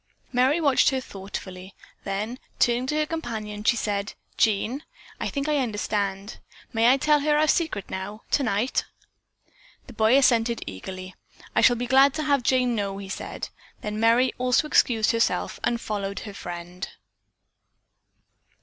Merry watched her thoughtfully, then turning to her companion, she said, "Jean, I think I understand. May I tell her our secret now tonight?" The boy assented eagerly. "I shall be glad to have Jane know," he said. Then Merry also excused herself and followed her friend.